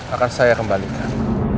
akan saya kembalikan